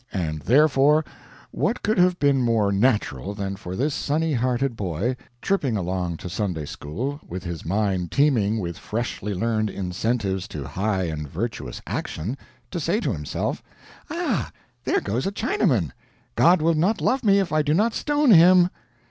And, therefore, what could have been more natural than for this sunny hearted boy, tripping along to Sunday school, with his mind teeming with freshly learned incentives to high and virtuous action, to say to himself: "Ah, there goes a Chinaman! God will not love me if I do not stone him."